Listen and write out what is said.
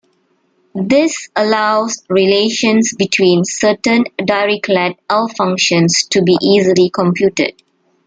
This allows relations between certain Dirichlet L-functions to be easily computed.